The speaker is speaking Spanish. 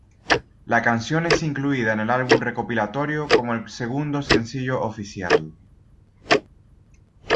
La canción es incluida en el álbum recopilatorio como el segundo sencillo oficial.